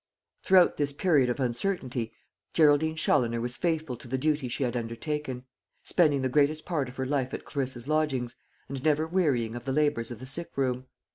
Throughout this period of uncertainty, Geraldine Challoner was faithful to the duty she had undertaken; spending the greatest part of her life at Clarissa's lodgings, and never wearying of the labours of the sick room.